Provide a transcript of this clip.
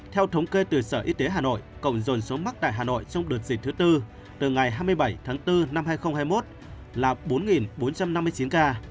theo thống kê từ sở y tế hà nội cộng dồn số mắc tại hà nội trong đợt dịch thứ tư từ ngày hai mươi bảy tháng bốn năm hai nghìn hai mươi một là bốn bốn trăm năm mươi chín ca